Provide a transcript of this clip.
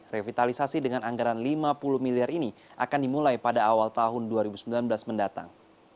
revitalisasi dengan anggaran lima puluh miliar ini akan dimulai pada awal tahun dua ribu sembilan belas mendatang